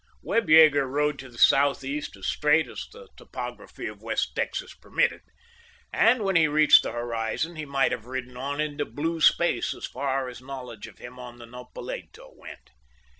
Webb Yeager rode to the southeast as straight as the topography of West Texas permitted. And when he reached the horizon he might have ridden on into blue space as far as knowledge of him on the Nopalito went.